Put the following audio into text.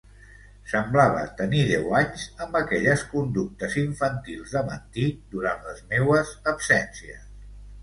Semblava tenir deu anys amb aquelles conductes infantils de mentir durant les meues absències.